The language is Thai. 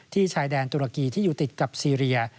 ชายแดนตุรกีที่อยู่ติดกับซีเรีย